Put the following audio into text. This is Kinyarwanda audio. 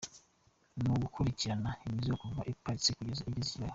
Ni ugukurikirana imizigo kuva ipakirwa, kugeza igeze i Kigali.